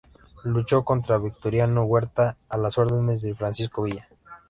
Luchó contra Victoriano Huerta a las órdenes de Francisco Villa.